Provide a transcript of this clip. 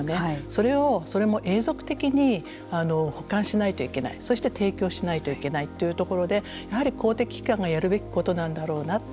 それを、それも永続的に保管しないといけないそして提供しないといけないというところでやはり公的機関がやるべきことなんだろうなと。